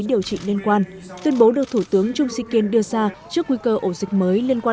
điều trị liên quan tuyên bố được thủ tướng chung sik yên đưa ra trước nguy cơ ổ dịch mới liên quan